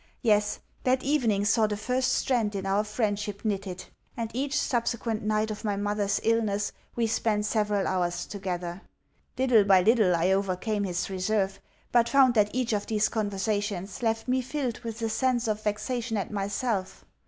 Yes, that evening saw the first strand in our friendship knitted; and each subsequent night of my mother's illness we spent several hours together. Little by little I overcame his reserve, but found that each of these conversations left me filled with a sense of vexation at myself.